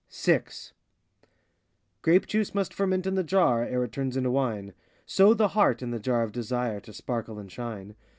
VI Grape juice must ferment in the jar, Ere it turns into wine; So the heart, in the jar of Desire, To sparkle and shine.